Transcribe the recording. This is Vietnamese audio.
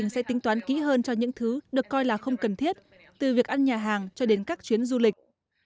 các gia đình sẽ tính toán kỹ hơn cho những thứ được coi là không cần thiết từ việc ăn nhà hàng cho đến các chuyến du lịch